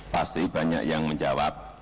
pasti banyak yang menjawab